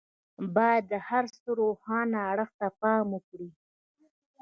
بايد د هر څه روښانه اړخ ته پام وکړي.